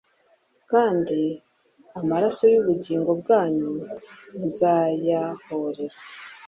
Kandi amaraso y’ubugingo bwanyu nzayahorera